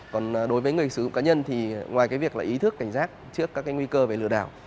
còn đối với người sử dụng cá nhân thì ngoài cái việc là ý thức cảnh giác trước các cái nguy cơ về lừa đảo